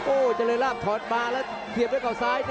โอ้จะเลยลากถอดมาแล้วเสียบด้วยข่าวซ้าย